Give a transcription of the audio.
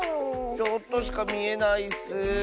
ちょっとしかみえないッス。